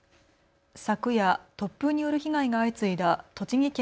昨夜、突風による被害が相次いだ栃木県